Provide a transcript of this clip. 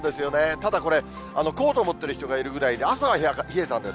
ただこれ、コートを持っている人がいるぐらいで、朝は冷えたんです。